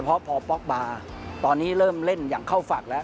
เพราะพอป๊อกบาร์ตอนนี้เริ่มเล่นอย่างเข้าฝักแล้ว